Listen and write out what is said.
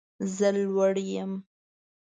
زه لوړ یم